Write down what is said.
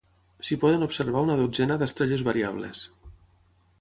S'hi poden observar una dotzena d'estrelles variables.